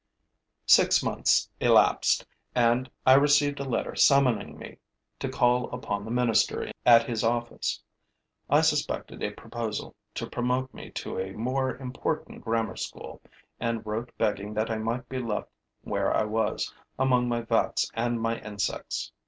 Six months elapsed; and I received a letter summoning me to call upon the minister at his office. I suspected a proposal to promote me to a more important grammar school and wrote begging that I might be left where I was, among my vats and my insects.